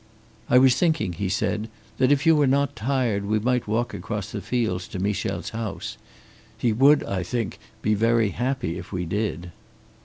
"I was thinking," he said, "that if you were not tired we might walk across the fields to Michel's house. He would, I think, be very happy if we did."